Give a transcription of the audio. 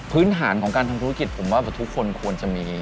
พื้นฐานของการทำธุรกิจผมว่าทุกคนควรจะมี